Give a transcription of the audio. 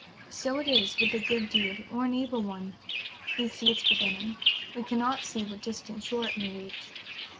So it is with a good deed or an evil one; we see its beginning; we cannot see what distant shore it may reach.